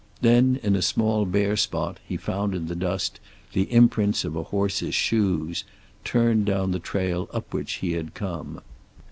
Then in a small bare spot he found in the dust the imprints of a horse's shoes, turned down the trail up which he had come.